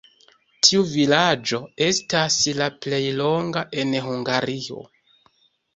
Tiu vilaĝo estas la plej longa en Hungario.